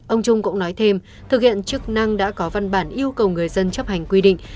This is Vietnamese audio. ông trung cũng nói thêm thực hiện chức năng đã có văn bản yêu cầu người dân chấp hành quy định